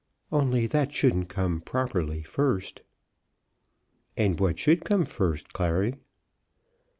Only that shouldn't come properly first." "And what should come first, Clary?"